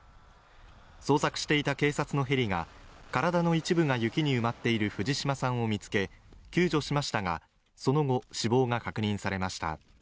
捜索していた警察のヘリが体の一部が雪に埋まっている藤島さんを見つけ救助しましたが、その後、死亡が確認されました。